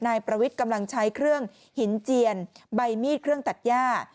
นายประวิทย์กำลังใช้เครื่องหินเจียนใบมีดเครื่องตัดย่า